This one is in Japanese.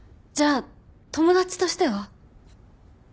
じゃあ友達としては？